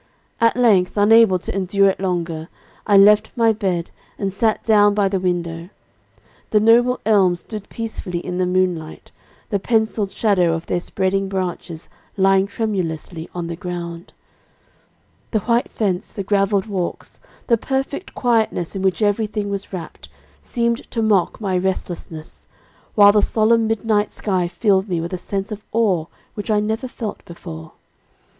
At length, unable to endure it longer I left my bed, and sat down by the window. The noble elms stood peacefully in the moonlight, the penciled shadow of their spreading branches lying tremulously on the ground. "The white fence, the graveled walks, the perfect quietness in which everything was wrapped, seemed to mock my restlessness, while the solemn midnight sky filled me with a sense of awe which I never felt before.